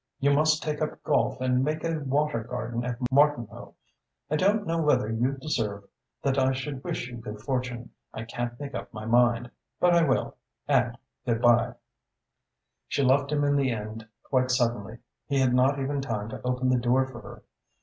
You must take up golf and make a water garden at Martinhoe. I don't know whether you deserve that I should wish you good fortune. I can't make up my mind. But I will and good by!" She left him in the end quite suddenly. He had not even time to open the door for her.